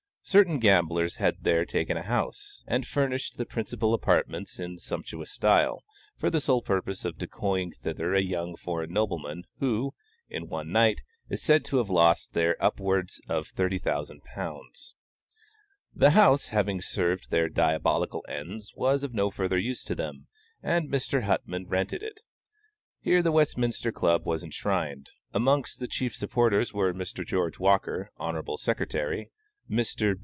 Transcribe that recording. Certain gamblers had there taken a house, and furnished the principal apartments in sumptuous style, for the sole purpose of decoying thither a young foreign nobleman, who, in one night, is said to have lost there upwards of £30,000. The house having served their diabolical ends, was of no further use to them, and Mr. Huttman rented it. Here the Westminster Club was enshrined. Amongst the chief supporters were Mr. George Walker, Hon. Sec.; Mr.